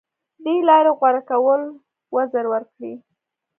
دې لارې غوره کول وزر ورکړي